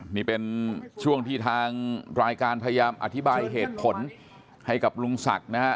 นี่เป็นช่วงที่ทางรายการพยายามอธิบายเหตุผลให้กับลุงศักดิ์นะฮะ